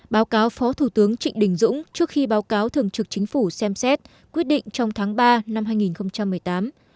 báo cáo phó thủ tướng trịnh đình dũng trước khi báo cáo thường trực chính phủ xem xét quyết định trong tháng ba năm hai nghìn một mươi tám